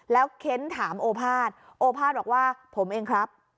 แล้วเค้นถามโอภาษย์โอภาษบอกว่าผมเองครับ